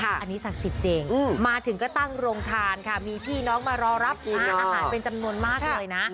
อันนี้ศักดิ์สิทธิ์จริงมาถึงก็ตั้งโรงทานค่ะมีพี่น้องมารอรับอาหารเป็นจำนวนมากเลยนะ